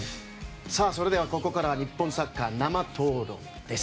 それでは、ここからは日本サッカー生討論です。